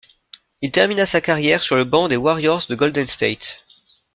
Il termina sa carrière sur le banc des Warriors de Golden State.